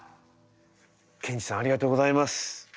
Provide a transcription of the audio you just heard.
刑事さんありがとうございます。